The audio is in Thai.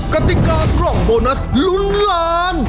กติกากล่องโบนัสลุ้นล้าน